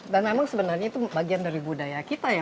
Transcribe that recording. dan memang sebenarnya itu bagian dari budaya kita ya